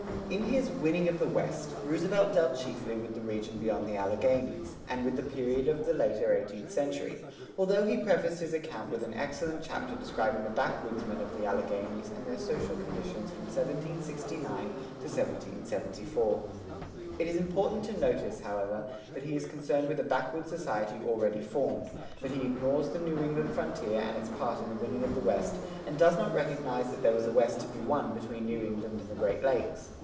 In his "Winning of the West," Roosevelt dealt chiefly with the region beyond the Alleghanies, and with the period of the later eighteenth century, although he prefaced his account with an excellent chapter describing the backwoodsmen of the Alleghanies and their social conditions from 1769 to 1774. It is important to notice, however, that he is concerned with a backwoods society already formed; that he ignores the New England frontier and its part in the winning of the West, and does not recognize that there was a West to be won between New England and the Great Lakes.